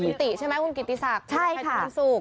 อย่างจิตตีใช่ไหมคุณกิตตีศักดิ์ใช่ค่ะ